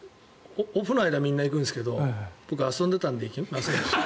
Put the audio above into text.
オフの間にみんな行くんですけど僕は遊んでいたので。